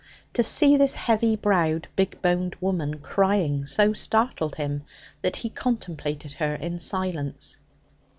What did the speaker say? To see this heavy browed, big boned woman crying so startled him that he contemplated her in silence.